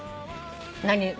何？